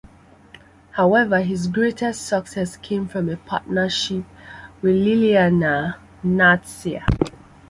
However, his greatest success came from a partnership with Lilyana Natsir.